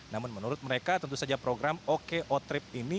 namun menurut mereka tentu saja program oko trip ini